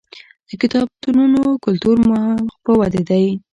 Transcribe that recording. د کتابتونونو کلتور مخ په ودې دی.